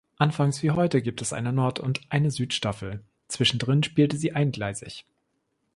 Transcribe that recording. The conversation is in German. Anfangs wie heute gibt es eine Nord- und eine Südstaffel, zwischendrin spielte sie eingleisig.